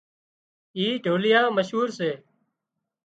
اين ڍوليئا مشهور سي